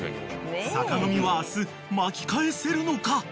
［坂上は明日巻き返せるのか］